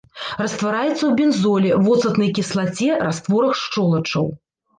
Раствараецца ў бензоле, воцатнай кіслаце, растворах шчолачаў.